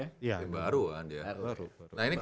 iya baru kan dia